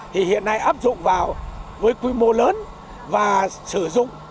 thì hiện nay áp dụng vào với quy mô lớn và sử dụng